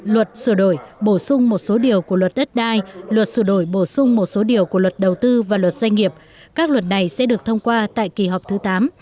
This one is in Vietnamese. luật sửa đổi bổ sung một số điều của luật đất đai luật sửa đổi bổ sung một số điều của luật đầu tư và luật doanh nghiệp các luật này sẽ được thông qua tại kỳ họp thứ tám